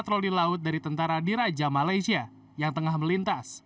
patroli laut dari tentara diraja malaysia yang tengah melintas